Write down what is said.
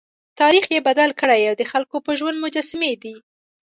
تاریخ یې بدل کړی او د خلکو په ژوند مجسمې دي.